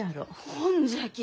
ほんじゃき